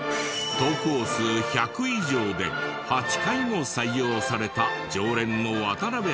投稿数１００以上で８回も採用された常連の渡邉さん。